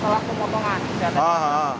pemeriksaan kesehatan setelah pemotongan